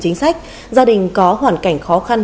chính sách gia đình có hoàn cảnh khó khăn